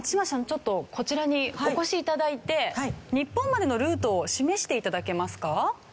ちょっとこちらにお越し頂いて日本までのルートを示して頂けますか？